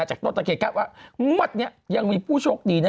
จากต้นตะเคียคาดว่างวดนี้ยังมีผู้โชคดีนะ